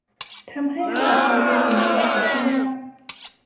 ทำให้ภาษาไทยเป็นหนึ่งในภาษาที่ยาก